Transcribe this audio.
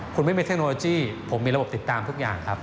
คุณไม่มีเทคโนโลยีผมมีระบบติดตามทุกอย่างครับ